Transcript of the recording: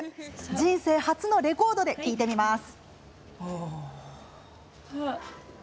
人生初のレコードで聴いてみます。